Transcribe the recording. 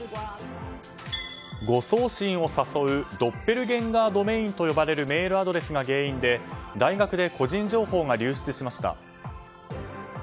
誤送信を誘うドッペルゲンガー・ドメインと呼ばれるメールアドレスが原因で大学で個人情報が流出しました。